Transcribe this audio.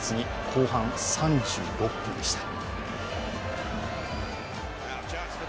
後半３６分でした。